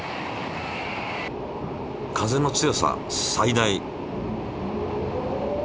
風の強さ最大。